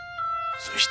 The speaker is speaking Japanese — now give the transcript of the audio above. そして。